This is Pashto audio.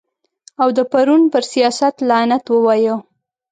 او د پرون پر سیاست لعنت ووایو.